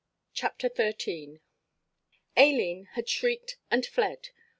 CHAPTER XIII I Aileen had shrieked and fled.